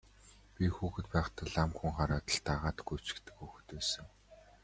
Би хүүхэд байхдаа лам хүн хараад л дагаад гүйчихдэг хүүхэд байсан.